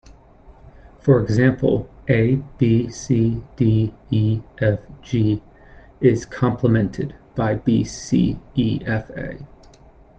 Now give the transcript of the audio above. For example, A-B-C-D-E-F-G is "complemented" by B-C-E-F-A.